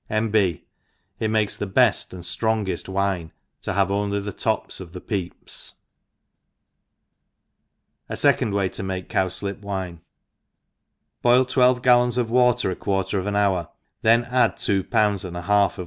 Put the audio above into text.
*— iV« B. It makes the beft and ftrongeft wine to have only the tops of the |>eep$« ji fecmd Way to mate Cowslip Wime« BOIL twelve gallons of water a quarter of an hour, then add two pounds apd a half of